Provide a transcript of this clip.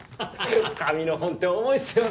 紙の本って重いっすよね。